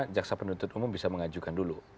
jaksa penuntut umum bisa mengajukan dulu